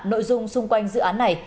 nội dung xung quanh dự án này